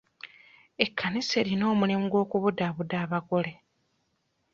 Ekkanisa erina omulimu gw'okubudaabuda abagole.